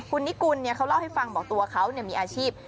คุณนิกุลเนี่ยเขาเล่าให้ฟังบอกตัวเขาเนี่ยมีอาชีพ